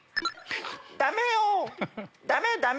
ダメよダメダメ。